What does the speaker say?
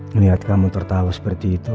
melihat kamu tertawa seperti itu